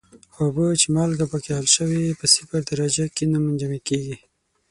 اوبه چې مالګه پکې حل شوې په صفر درجه کې نه منجمد کیږي.